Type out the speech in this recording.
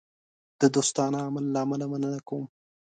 د دوستانه عمل له امله مننه کوم.